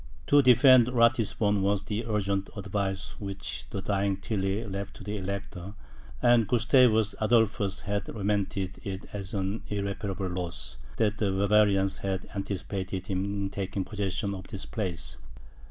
To defend Ratisbon, was the urgent advice which the dying Tilly left to the Elector; and Gustavus Adolphus had lamented it as an irreparable loss, that the Bavarians had anticipated him in taking possession of this place.